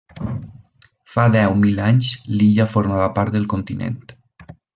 Fa deu mil anys l'illa formava part del continent.